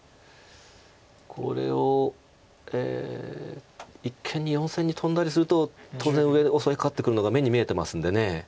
これを一間に４線にトンだりすると当然上を襲いかかってくるのが目に見えてますんで。